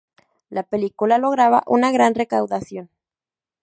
La película lograba una gran recaudación.